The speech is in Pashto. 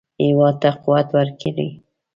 هېواد ته قوت ورکړئ